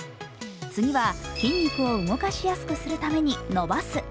次は、筋肉を動かしやすくするために伸ばす。